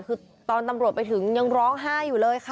คือตอนตำรวจไปถึงยังร้องไห้อยู่เลยค่ะ